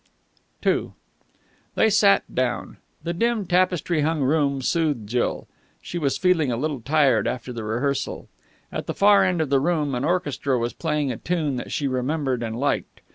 II They sat down. The dim, tapestry hung room soothed Jill. She was feeling a little tired after the rehearsal. At the far end of the room an orchestra was playing a tune that she remembered and liked.